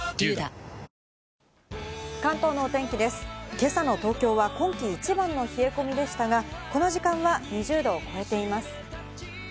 今朝の東京は今季一番の冷え込みでしたが、この時間は２０度を超えています。